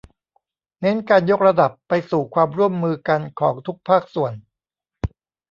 เน้นการยกระดับไปสู่ความร่วมมือกันของทุกภาคส่วน